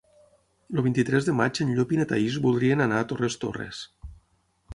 El vint-i-tres de maig en Llop i na Thaís voldrien anar a Torres Torres.